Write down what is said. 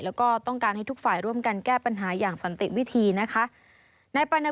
แล้วก็ต้องการให้ทุกฝ่ายร่วมกันแก้ปัญหาอย่างสันติวิธีนะคะ